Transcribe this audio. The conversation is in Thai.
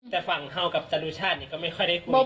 แต่ฝั่งเฮากับจรุชาติก็ไม่ค่อยได้คุย